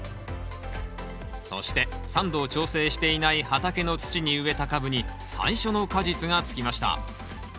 そして酸度を調整していない畑の土に植えた株に最初の果実がつきました。